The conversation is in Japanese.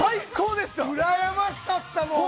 うらやましかったもん。